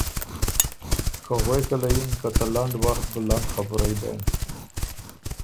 که غوېکه له یِن که ”ته لنډ وخت بُو لنډ خبُرئ بېن“